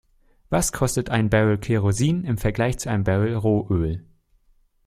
Was kostet ein Barrel Kerosin im Vergleich zu einem Barrel Rohöl?